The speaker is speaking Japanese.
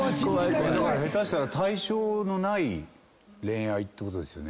下手したら対象のない恋愛ってことですよね。